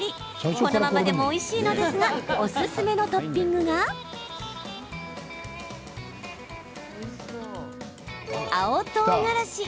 このままでもおいしいのですがおすすめのトッピングが青とうがらし。